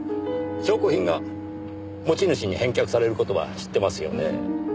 証拠品が持ち主に返却される事は知ってますよねぇ。